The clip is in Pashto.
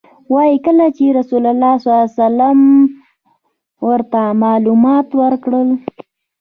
وایي کله چې رسول الله صلی الله علیه وسلم ورته معلومات ورکړل.